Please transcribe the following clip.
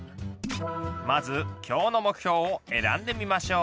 まず今日の目標を選んでみましょう。